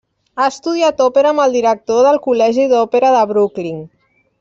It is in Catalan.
Ha estudiat òpera amb el director del Col·legi d'Òpera de Brooklyn.